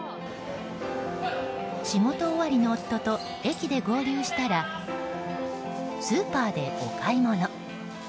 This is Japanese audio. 仕事終わりの夫と駅で合流したらスーパーでお買い物。